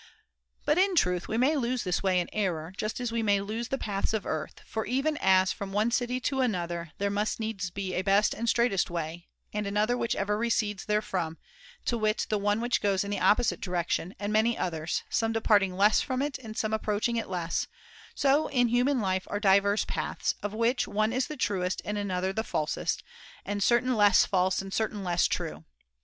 But in truth we may lose this way in error, just as we may lose the paths of earth ; for even as from one city to another there must needs be a best and straightest way, and another which ever recedes therefrom, to wit the one which goes in the opposite direction, and many others, some departing less from it and some approach ing it less : so in human life are divers paths, of which [^190] one is the truest and another the falsest, and certain less false and certain less true.